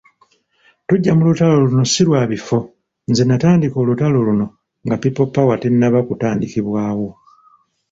Tujja mu lutalo luno si lwa bifo, nze natandika olutalo luno nga People Power tennaba kutandikibwawo.